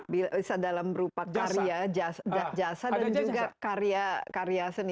bisa dalam berupa karya jasa dan juga karya seni